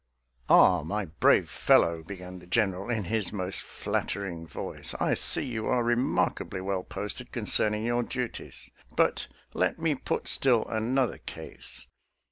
" Ah ! my brave fellow," began the General in his most flattering voice, " I see you are remark ably well posted concerning your duties. But let me put still another case.